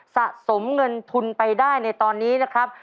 สะสมเงินทุนไปได้ในตอนนี้นะครับ